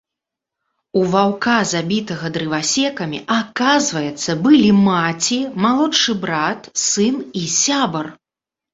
У ваўка, забітага дрывасекамі, аказваецца, былі маці, малодшы брат, сын і сябар.